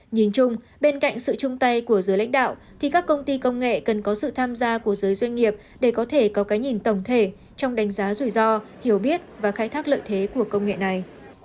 nhìn chung bên cạnh sự chung tay của giới lãnh đạo thì các công ty công nghệ cần có sự tham gia của giới doanh nghiệp để có thể có cái nhìn tổng thể trong đánh giá rủi ro hiểu biết và khai thác lợi thế của công nghệ này